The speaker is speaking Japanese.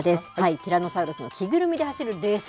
ティラノサウルスの着ぐるみで走るレース。